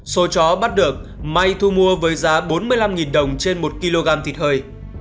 số chó bắt được may thu mua với giá bốn mươi năm đồng trên một kg thịt hơi